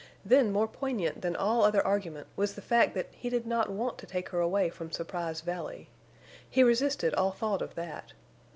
Then more poignant than all other argument was the fact that he did not want to take her away from Surprise Valley. He resisted all thought of that.